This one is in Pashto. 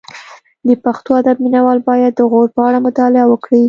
د پښتو ادب مینه وال باید د غور په اړه مطالعه وکړي